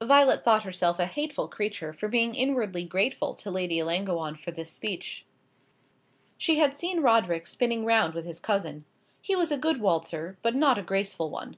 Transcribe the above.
Violet thought herself a hateful creature for being inwardly grateful to Lady Ellangowan for this speech. She had seen Roderick spinning round with his cousin. He was a good waltzer, but not a graceful one.